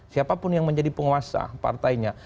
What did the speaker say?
siapapun yang menjadi penguasa partainya